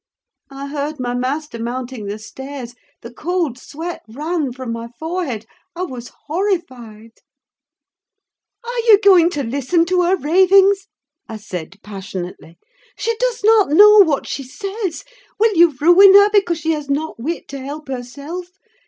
I heard my master mounting the stairs—the cold sweat ran from my forehead: I was horrified. "Are you going to listen to her ravings?" I said, passionately. "She does not know what she says. Will you ruin her, because she has not wit to help herself?